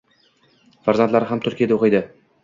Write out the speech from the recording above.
Farzandlari ham Turkiyada o'qiydi